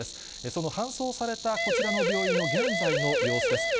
その搬送されたこちらの病院の現在の様子です。